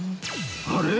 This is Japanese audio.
あれ！？